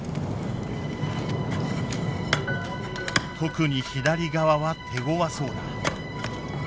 特に左側は手ごわそうだ。